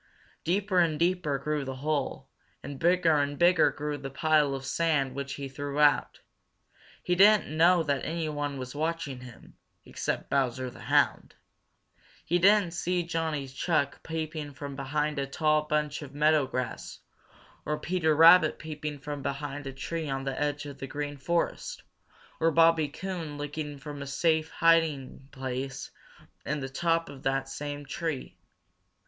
Deeper and deeper grew the hole, and bigger and bigger grew the pile of sand which he threw out. He didn't know that anyone was watching him, except Bowser the Hound. He didn't see Johnny Chuck peeping from behind a tall bunch of meadow grass, or Peter Rabbit peeping from behind a tree on the edge of the Green Forest, or Bobby Coon looking from a safe hiding place in the top of that same tree.